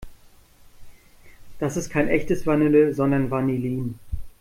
Das ist kein echtes Vanille, sondern Vanillin.